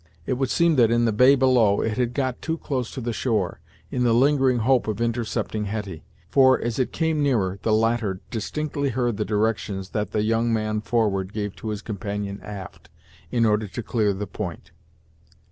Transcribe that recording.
It would seem that in the bay below it had got too close to the shore, in the lingering hope of intercepting Hetty, for, as it came nearer, the latter distinctly heard the directions that the young man forward gave to his companion aft, in order to clear the point.